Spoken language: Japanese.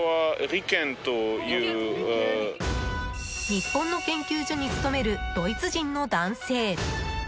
日本の研究所に勤めるドイツ人の男性。